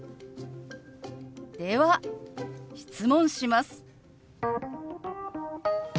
では質問します。